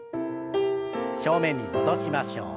正面に戻しましょう。